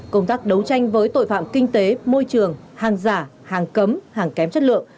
công tác đấu tranh với tội phạm kinh tế môi trường hàng giả hàng cấm hàng kém chất lượng